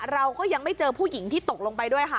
เราก็ยังไม่เจอผู้หญิงที่ตกลงไปด้วยค่ะ